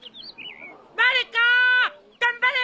まる子頑張れ！